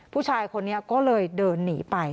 ผู้ชายคนนี้ก็เลยเดินหนีไป